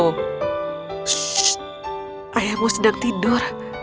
shh ayahmu sedang tidur